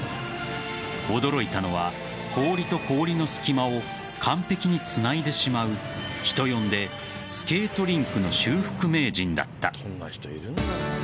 驚いたのは氷と氷の隙間を完璧につないでしまう人呼んでスケートリンクの修復名人だった。